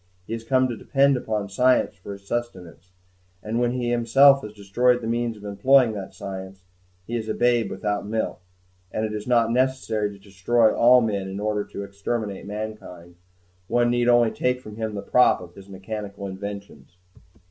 He has come to depend upon science for his sustenance, and when he himself has destroyed the means of employing that science, he is as a babe without milk. And it is not necessary to destroy all men in order to exterminate mankind; one need only take from him the prop of his mechanical inventions.